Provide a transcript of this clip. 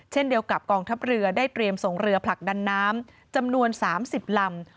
เช่นเดียวกับกองทัพเรือได้เตรียมส่งเรือผลักดันน้ำจำนวน๓๐ลำ